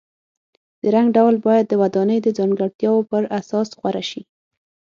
د رنګ ډول باید د ودانۍ د ځانګړتیاو پر اساس غوره شي.